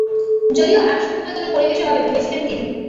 যদিও আরও সুখময় কোন পরিবেশে হবে ভেবেছিলেন তিনি।